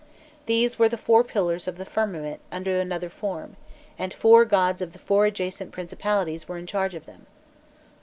These were the four pillars of the firmament under another form, and four gods of four adjacent principalities were in charge of them.